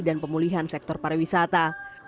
dan pemulihan sektor pariwisata